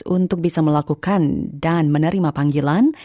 untuk bisa melakukan dan menerima panggilan